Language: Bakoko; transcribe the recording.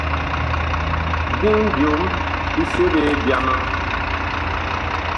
Biŋ byom bi seɓe byama.